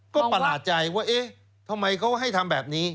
ก็ประหลาดใจว่าเอ๊ะทำไมเขาให้ทำแบบนี้